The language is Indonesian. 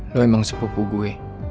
lo emang sepupu gue